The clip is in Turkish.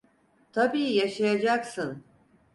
Tabii yaşayacaksın…